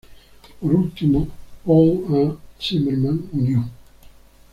Por último, Paul A. Zimmerman unió.